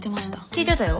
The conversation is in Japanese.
聞いてたよ。